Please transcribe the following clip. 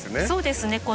そうですね。